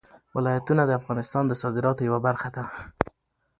ولایتونه د افغانستان د صادراتو یوه برخه ده.